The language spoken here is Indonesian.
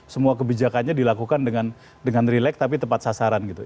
semua kebijakannya dilakukan dengan relax tapi tepat sasaran gitu